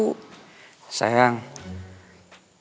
sayang ya udah biarin aja kalo emang abahnya jatuh cinta